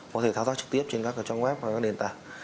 có thể tháo ra trực tiếp trên các trang web và các đền tảng